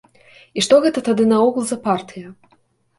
І што гэта тады наогул за партыя?